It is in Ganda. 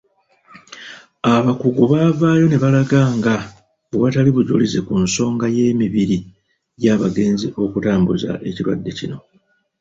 Abakugu baavaayo ne balaga nga bwe watali bujulizi ku nsonga y'emibiri gy'abagenzi okutambuza ekirwadde kino.